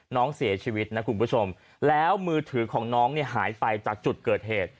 น้องเสียชีวิตนะคุณผู้ชมแล้วมือถือของน้องเนี่ยหายไปจากจุดเกิดเหตุ